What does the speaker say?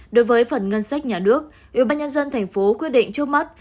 đối với phần ngân sách nhà nước ubnd tp quyết định trước mắt